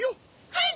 はい！